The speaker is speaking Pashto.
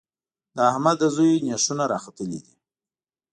د احمد د زوی نېښونه راختلي دي.